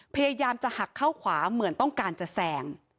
พยายามจะหักเข้าขวาเหมือนต้องการจะแซง